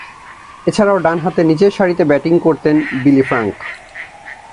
এছাড়াও, ডানহাতে নিচেরসারিতে ব্যাটিং করতেন বিলি ফ্রাঙ্ক।